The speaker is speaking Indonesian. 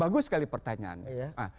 bagus sekali pertanyaannya